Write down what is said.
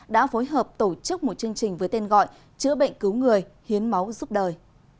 đã phối hợp tổ chức một chương trình với tên gọi chữa bệnh cứu người hiến máu giúp đời